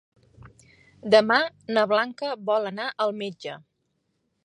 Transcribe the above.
Demà na Blanca vol anar al metge.